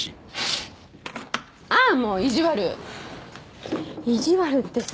ああーもう意地悪「意地悪」ってさ